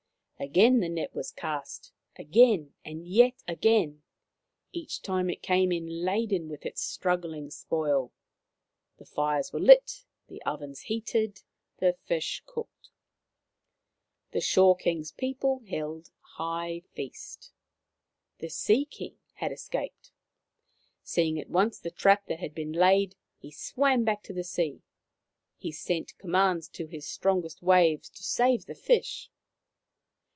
Again the net was cast, again and yet again. Each time it came in laden with its struggling spoil. The fires were lit, the ovens heated, the fish cooked. The Shore King's people held high feast. The Sea King had escaped. Seeing at once the trap that had been laid, he swam back to the sea. He sent commands to his strongest waves to save the fish.